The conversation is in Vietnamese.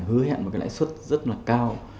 hứa hẹn một cái lãi suất rất là cao